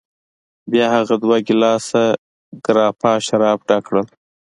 بیا هغه دوه ګیلاسه ګراپا شراب ډک کړل.